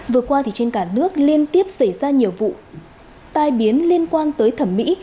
vừa qua trên cả nước liên tiếp xảy ra nhiều vụ tai biến liên quan tới thẩm mỹ